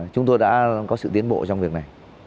chúng tôi đã có sự tiến bộ trong việc này